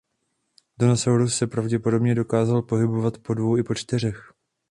Dinosaurus se pravděpodobně dokázal pohybovat po dvou i po čtyřech.